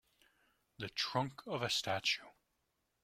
The trunk of a statue.